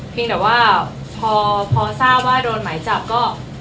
แต่ว่าพอทราบว่าโดนหมายจับก็